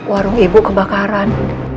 warung ibu kebakaran